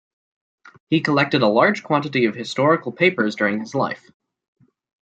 He collected a large quantity of historical papers during his life.